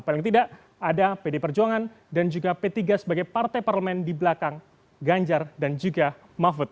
paling tidak ada pd perjuangan dan juga p tiga sebagai partai parlemen di belakang ganjar dan juga mahfud